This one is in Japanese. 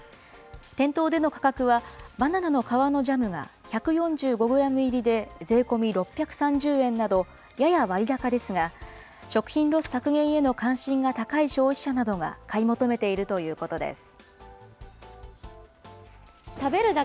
店頭での価格は、バナナの皮のジャムが１４５グラム入りで税込み６３０円など、やや割高ですが、食品ロス削減への関心が高い消費者などが買い求めているということです。